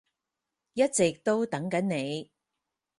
一直都等緊你